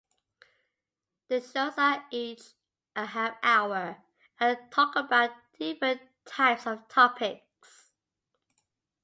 The shows are each a half-hour and talk about different types of topics.